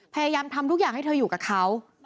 พยายามทำทุกอย่างให้เธออยู่กับเขา